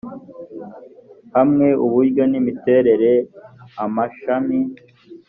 hamwe uburyo n imiterere amashami